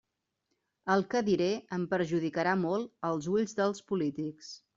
El que diré em perjudicarà molt als ulls dels polítics.